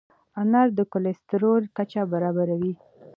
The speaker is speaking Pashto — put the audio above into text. انار د کولیسټرول کچه برابروي.